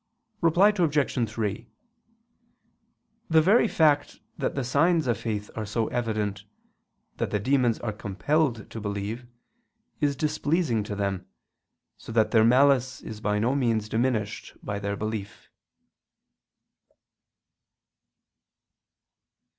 Reply Obj. 3: The very fact that the signs of faith are so evident, that the demons are compelled to believe, is displeasing to them, so that their malice is by no means diminished by their belief.